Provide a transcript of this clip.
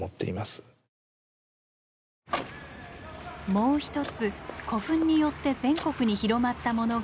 もう一つ古墳によって全国に広まったものがあります。